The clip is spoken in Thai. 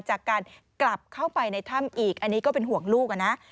จากการกลับเข้าไปในถ้ำอีกอันนี้ก็เป็นห่วงลูกนะ